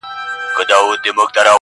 o ستا دی که قند دی.